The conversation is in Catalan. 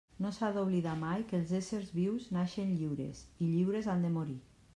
No s'ha d'oblidar mai que els éssers vius naixen lliures i lliures han de morir.